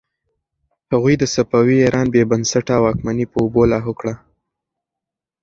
هغوی د صفوي ایران بې بنسټه واکمني په اوبو لاهو کړه.